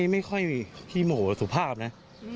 ไม่ค่อยมีพี่โมสุภาพนะ